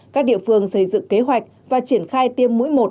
các địa phương xây dựng kế hoạch và triển khai tiêm mũi một